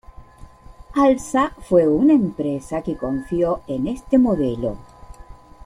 Alsa fue una empresa que confío en este modelo.